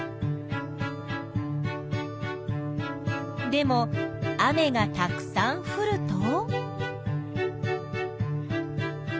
でも雨がたくさんふると。